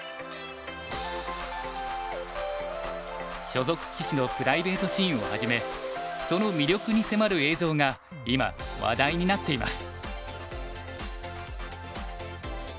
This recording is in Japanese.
所属棋士のプライベートシーンをはじめその魅力に迫る映像が今話題になっています。